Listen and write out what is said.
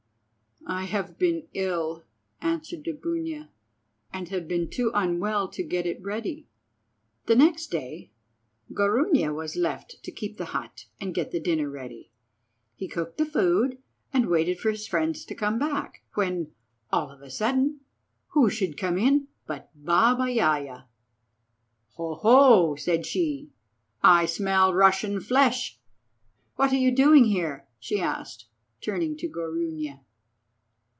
"I have been ill," answered Dubunia, "and have been too unwell to get it ready." The next day Gorunia was left to keep the hut and get the dinner ready. He cooked the food, and waited for his friends to come back, when, all of a sudden, who should come in but Baba Yaja. "Ho, ho!" said she, "I smell Russian flesh. What are you doing here?" she asked, turning to Gorunia.